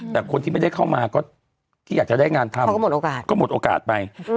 แต่คนที่ไม่ได้เข้ามาก็ที่อยากได้งานทำก็หมดโอกาสไป